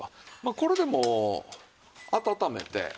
これでもう温めて食べる。